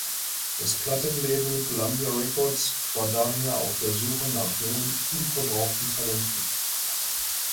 Das Plattenlabel Columbia Records war daher auf der Suche nach jungen, unverbrauchten Talenten.